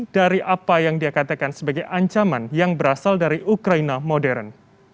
dari apa yang dia katakan sebagai ancaman yang berasal dari ukraina modern